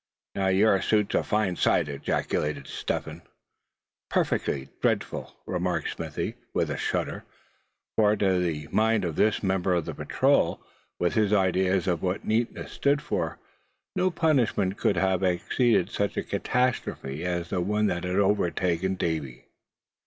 "Now your suit's a fine sight!" ejaculated Step Hen. "Perfectly dreadful!" remarked Smithy, with a shudder; for to the mind of this member of the patrol, with his ideas of what neatness stood for, no punishment could have exceeded such a catastrophe as the one that had overtaken Davy.